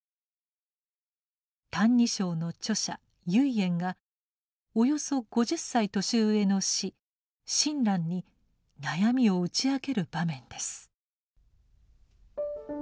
「歎異抄」の著者唯円がおよそ５０歳年上の師・親鸞に悩みを打ち明ける場面です。